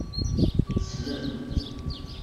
Ssnen.